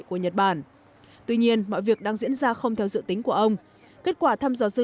của nhật bản tuy nhiên mọi việc đang diễn ra không theo dự tính của ông kết quả thăm dò dư